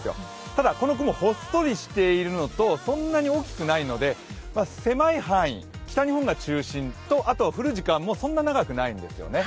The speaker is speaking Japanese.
ただ、この雲ほっそりしているのとそんなに大きくないので狭い範囲、北日本が中心と、降る時間もそんな長くないんですよね。